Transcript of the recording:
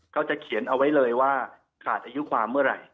เขาจะเขียนเอาไว้เลยว่าขาดอายุความเมื่อไหร่